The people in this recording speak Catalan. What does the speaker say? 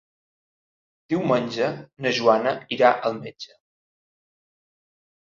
Diumenge na Joana irà al metge.